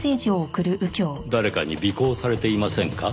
「誰かに尾行されていませんか？」